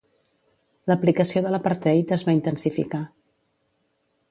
L'aplicació de l'apartheid es va intensificar.